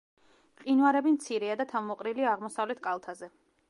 მყინვარები მცირეა და თავმოყრილია აღმოსავლეთ კალთაზე.